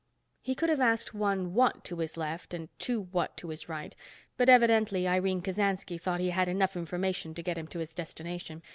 He could have asked one what to his left and two what to his right, but evidently Irene Kasansky thought he had enough information to get him to his destination.